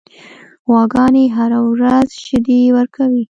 غواګانې هره ورځ شیدې ورکوي.